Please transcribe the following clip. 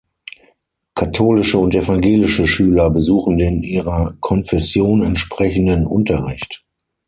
Katholische und evangelische Schüler besuchen den ihrer Konfession entsprechenden Unterricht.